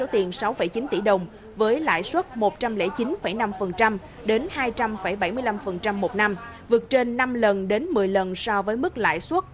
sáu chín tỷ đồng với lãi suất một trăm linh chín năm đến hai trăm linh bảy mươi năm một năm vượt trên năm lần đến một mươi lần so với mức lãi suất